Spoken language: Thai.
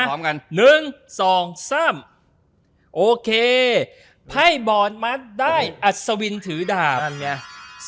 หนึ่งสองสามโอเคไพ่บอร์ดมัสได้อัศวินถือดาบนั่นไง